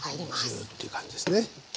ジューッていう感じですね。